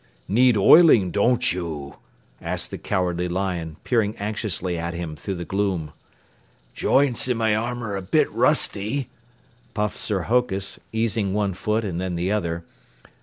"Need oiling, don't you?" asked the Cowardly Lion, peering anxiously at him through the gloom. "Joints in my armor a bit rusty," puffed Sir Hokus, easing one foot and then the other.